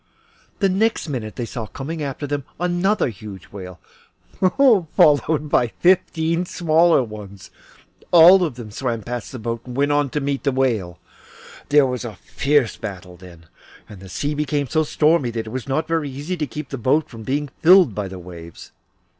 The next minute they saw coming after them another huge whale, followed by fifteen smaller ones. All of these swam past the boat and went on to meet the whale. There was a fierce battle then, and the sea became so stormy that it was not very easy to keep the boat from being filled by the waves.